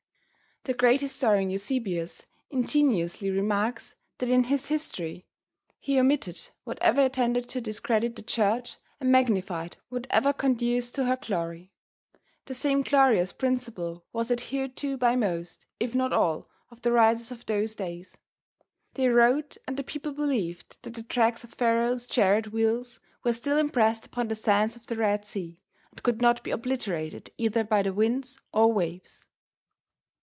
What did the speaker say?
The great historian Eusebius ingenuously remarks that in his history he omitted whatever tended to discredit the church and magnified whatever conduced to her glory. The same glorious principle was adhered to by most, if not all, of the writers of those days. They wrote and the people believed that the tracks of Pharaoh's chariot wheels, were still impressed upon the sands of the Red Sea and could not be obliterated either by the winds or waves.